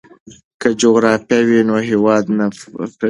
که جغرافیه وي نو هیواد نه پردی کیږي.